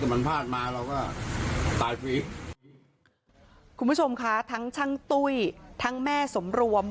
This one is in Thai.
คุณผู้ชมค่ะทั้งช่างตุ้ยทั้งแม่สมรวม